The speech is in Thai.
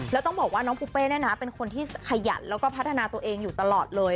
แล้วต้องบอกว่าน้องภูเปเกษรินที่ขยันพัฒนาตัวเองอยู่ตลอดเลย